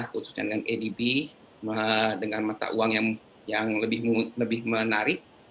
khususnya dengan adb dengan mata uang yang lebih menarik